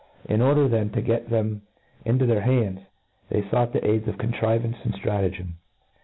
In order then to get them into thefr iiands, they fought the suds of contrivance aild ftratagem.